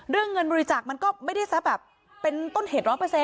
เรื่องเงินบริจาคมันก็ไม่ได้สักแบบเป็นต้นเหตุ๑๐๐